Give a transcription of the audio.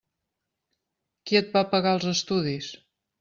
Qui et va pagar els estudis?